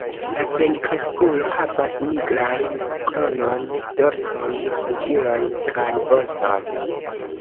La plenkreskulo havas nigrajn kronon, dorson, flugilojn kaj voston.